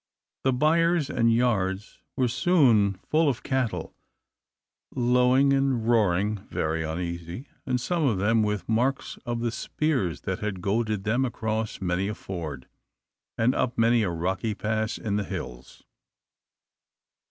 The byres and yards were soon full of cattle, lowing and roaring, very uneasy, and some of them with marks of the spears that had goaded them across many a ford, and up many a rocky pass in the hills.